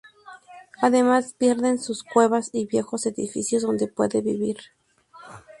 Además, pierden sus cuevas y viejos edificios donde puede vivir.